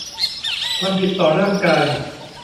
ความผิดต่อร่างกาย